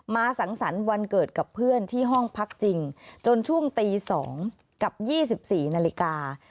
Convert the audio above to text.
สังสรรค์วันเกิดกับเพื่อนที่ห้องพักจริงจนช่วงตี๒กับ๒๔นาฬิกา